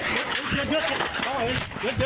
ลุ้นหยุด